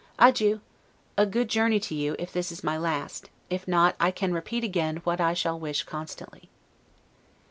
Adieu! A good journey to you, if this is my last; if not, I can repeat again what I shall wish constantly.